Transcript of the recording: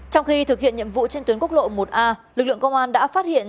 trong khi thực hiện nhiệm vụ trên tuyến quốc lộ một a lực lượng công an đã phát hiện